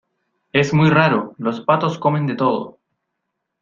es muy raro, los patos comen de todo